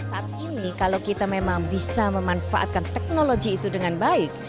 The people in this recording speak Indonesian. saat ini kalau kita memang bisa memanfaatkan teknologi itu dengan baik